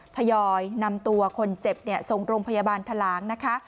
ทยอยนำตัวคนเจ็บส่งโรงพยาบาลทะลางนะคะ